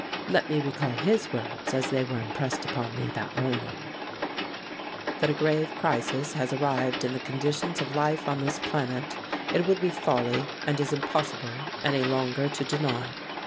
Let me recall his words as they were impressed upon me that morning: That a grave crisis has arrived in the conditions of life on this planet, it would be folly and is impossible any longer to deny.